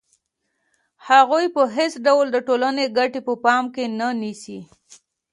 هغوی په هېڅ ډول د ټولنې ګټې په پام کې نه نیسي